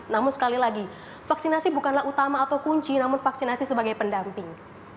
namun sekali lagi vaksinasi bukanlah utama atau kunci namun vaksinasi sebagai pendamping